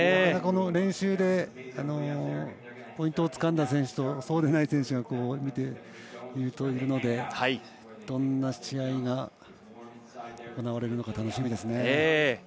この練習でポイントをつかんだ選手とそうでない選手がいるのでどんな試合がが行われるのか楽しみですね。